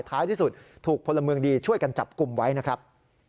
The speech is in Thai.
ท้ายที่สุดถูกพลเมืองดีช่วยกันจับกลุ่มไว้นะครับ